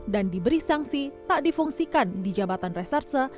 dan diberi sanksi tak difungsikan di jabatan resarse